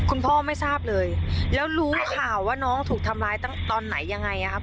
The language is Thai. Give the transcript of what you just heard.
คุณพ่อไม่ทราบเลยแล้วรู้ข่าวว่าน้องถูกทำร้ายตั้งตอนไหนยังไงครับ